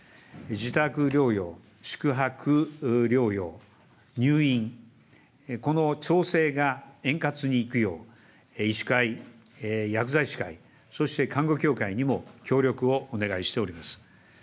自宅療養、宿泊療養、入院、この調整が円滑にいくよう、医師会、薬剤師会、そして看護協会にも協力をお願いしております。